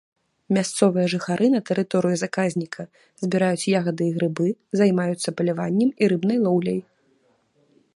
Мясцовыя жыхары на тэрыторыі заказніка збіраюць ягады і грыбы, займаюцца паляваннем і рыбнай лоўляй.